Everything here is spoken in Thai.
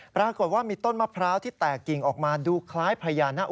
ปรากฏว่ามีต้นมะพร้าวที่แตกกิ่งออกมาดูคล้ายพญานาค